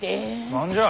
何じゃ？